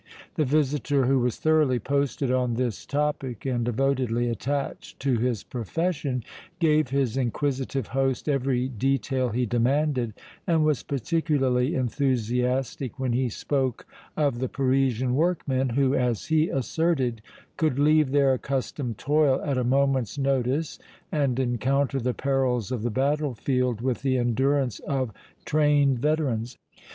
The visitor, who was thoroughly posted on this topic and devotedly attached to his profession, gave his inquisitive host every detail he demanded and was particularly enthusiastic when he spoke of the Parisian workmen, who, as he asserted, could leave their accustomed toil at a moment's notice and encounter the perils of the battlefield with the endurance of trained veterans.